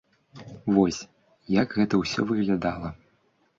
Вось, як гэта ўсё выглядала.